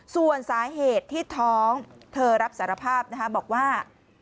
ส่วนสาเหตุที่ท้องเธอรับสารภาพบอกว่า